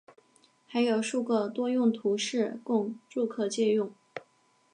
还有数个多用途室供住客借用。